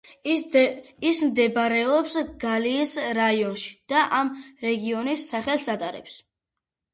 ის მდებარეობს გალის რაიონში და ამ რეგიონის სახელს ატარებს.